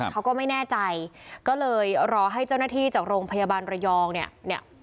เขาก็ไม่แน่ใจก็เลยรอให้เจ้าหน้าที่จากโรงพยาบาลระยองเนี่ย